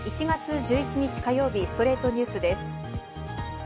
１月１１日、火曜日『ストレイトニュース』です。